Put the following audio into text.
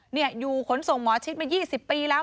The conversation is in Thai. นี่อยู่ขนส่งหมอชิดมา๒๐ปีแล้ว